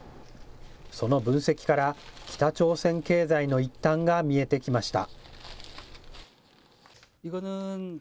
その分析から、北朝鮮経済の一端が見えてきました。